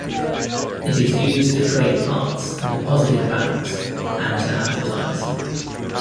It is used to trade parts and deposit in banks, and to advertise.